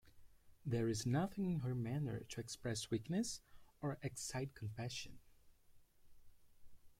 There is nothing in her manner to express weakness or excite compassion.